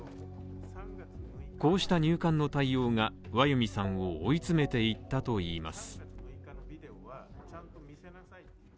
こうした入管の対応がはワヨミさんを追い詰めていったといいます